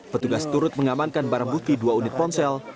petugas turut mengamankan barang bukti dua unit ponsel